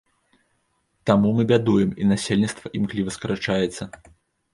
Таму мы бядуем і насельніцтва імкліва скарачаецца.